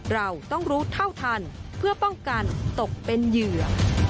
เราต้องรู้เท่าทันเพื่อป้องกันตกเป็นเหยื่อ